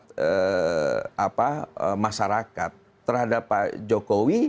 pada saat ini saya berpikir bahwa masyarakat terhadap pak jokowi